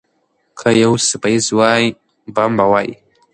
که یو څپیز وای، بم به وای.